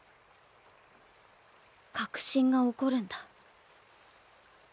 革新が起こるんだ。